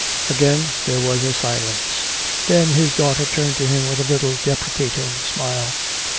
Again there was a silence. Then his daughter turned to him with a little deprecating smile.